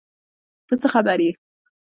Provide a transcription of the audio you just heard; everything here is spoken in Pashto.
ته څه خبر یې ؟